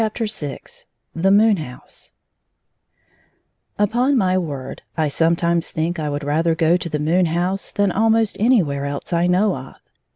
+3 VI The Moon House TT TPON my word, I sometimes think I would I I rather go to the moon house than ahnost ^«—• anywhere else I know of.